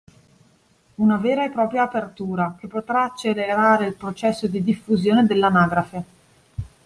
Una vera e propria apertura, che potrà accelerare il processo di diffusione dell’anagrafe